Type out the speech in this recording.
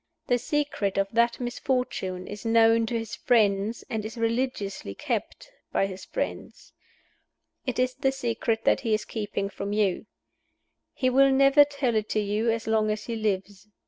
The secret of that misfortune is known to his friends, and is religiously kept by his friends. It is the secret that he is keeping from You. He will never tell it to you as long as he lives.